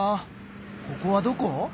ここはどこ？